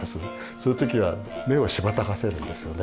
そういう時は目をしばたかせるんですよね。